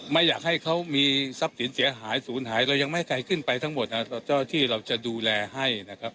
ไม่อยากให้เขามีทรัพย์สินเสียหายศูนย์หายเรายังไม่ให้ใครขึ้นไปทั้งหมดเจ้าที่เราจะดูแลให้นะครับ